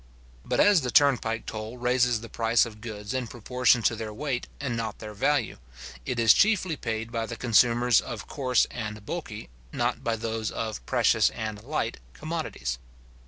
But as the turnpike toll raises the price of goods in proportion to their weight and not to their value, it is chiefly paid by the consumers of coarse and bulky, not by those of precious and light commodities.